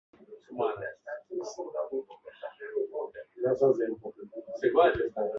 La instalaĵoj estas tre simplaj.